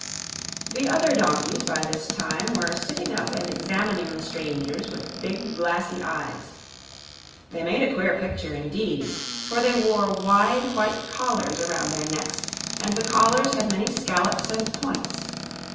The other donkeys by this time were sitting up and examining the strangers with big, glassy eyes. They made a queer picture, indeed; for they wore wide, white collars around their necks and the collars had many scallops and points.